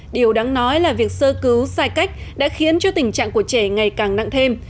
điều đáng nói là việc sơ cứu sai cách đã khiến cho tình trạng của trẻ ngày càng nặng thêm